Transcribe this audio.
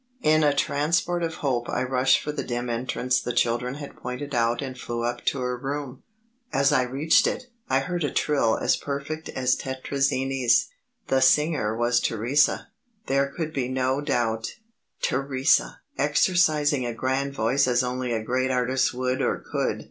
In a transport of hope I rushed for the dim entrance the children had pointed out and flew up to her room. As I reached it, I heard a trill as perfect as Tetrazzini's. The singer was Theresa; there could be no more doubt. Theresa! exercising a grand voice as only a great artist would or could.